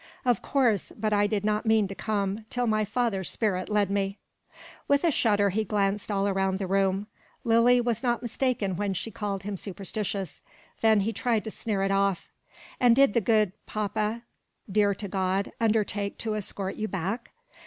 "Of course. But I did not mean to come, till my father's spirit led me." With a shudder he glanced all round the room. Lily was not mistaken when she called him superstitious. Then he tried to sneer it off. "And did the good Papa, dear to God, undertake to escort you back?"